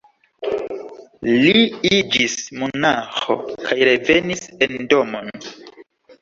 Li iĝis monaĥo kaj revenis en domon.